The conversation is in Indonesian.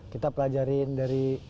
kita pelajarin dari